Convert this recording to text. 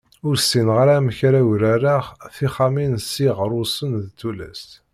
Ur ssineɣ ara amek ara urareɣ tixxamin s yiɣerrusen d tullas